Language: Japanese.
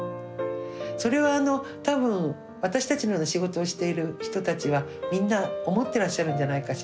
それは多分私たちのような仕事をしている人たちはみんな思ってらっしゃるんじゃないかしら。